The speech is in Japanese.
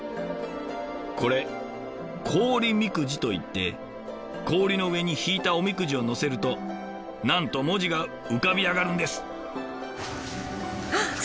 これ「氷みくじ」といって氷の上に引いたおみくじをのせるとなんと文字が浮かび上がるんです。